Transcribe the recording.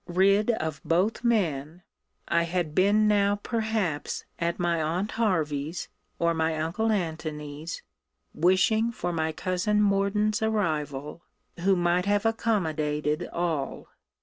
Rid of both men, I had been now perhaps at my aunt Hervey's or at my uncle Antony's; wishing for my cousin Morden's arrival, who might have accommodated all.